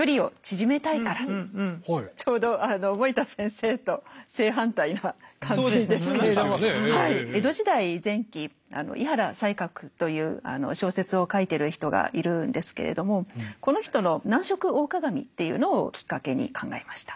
ちょうど江戸時代前期井原西鶴という小説を書いてる人がいるんですけれどもこの人の「男色大鑑」っていうのをきっかけに考えました。